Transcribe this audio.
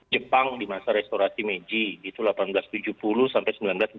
jepang di masa restorasi meji itu seribu delapan ratus tujuh puluh sampai seribu sembilan ratus tujuh puluh